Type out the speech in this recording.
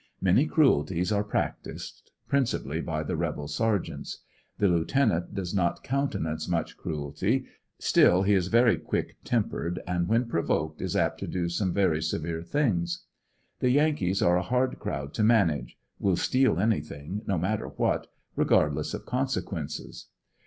Many cruelties are practiced, principally by the rebel sergeants. The lieutenant does not countenance much cruelty, still he is very quick tempered, and w^heaa provoked is apt to do some very severe things. The Yankees are a hard crowd to manage; will steal anything, no matter what, regardless of conse quences.